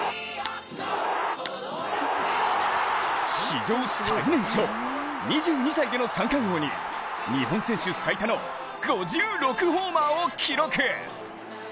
史上最年少、２２歳での三冠王に日本選手最多の５６ホーマーを記録。